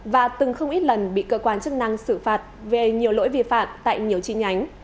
và từng không ít lần bị cơ quan chức năng xử phạt về nhiều lỗi vi phạm tại nhiều chi nhánh